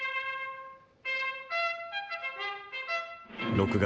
６月。